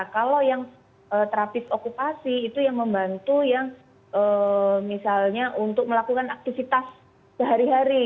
kalau yang terapis okupasi itu yang membantu yang misalnya untuk melakukan aktivitas sehari hari